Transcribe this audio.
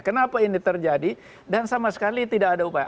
kenapa ini terjadi dan sama sekali tidak ada upaya